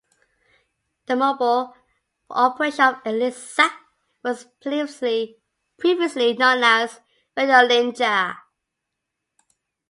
The mobile operations of Elisa were previously known as Radiolinja.